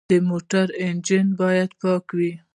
د موټر انجن باید پاک وي.